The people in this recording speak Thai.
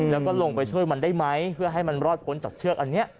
แล้วก็ลงไปช่วยมันได้ไหมเพื่อให้มันรอดพ้นจากเชือกอันนี้